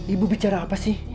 ibu bicara apa sih